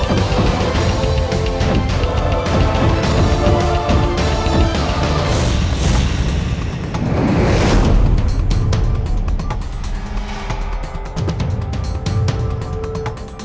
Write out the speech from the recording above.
aku baru ingat kalau dia telah memperlakukanku sangat kasar pada waktu itu